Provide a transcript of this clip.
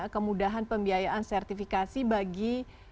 kemudahan pembiayaan sertifikasi bagi